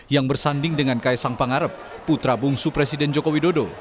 yang bersanding dengan kaisang pangarep putra bungsu presiden joko widodo